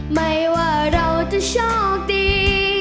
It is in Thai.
ไม่ว่าเราจะโชคดี